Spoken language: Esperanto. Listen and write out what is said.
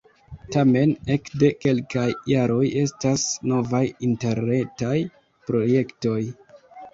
Tamen, ekde kelkaj jaroj estas novaj interretaj projektoj.